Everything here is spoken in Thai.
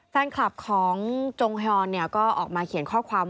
แฟนคลับของจงฮอนก็ออกมาเขียนข้อความ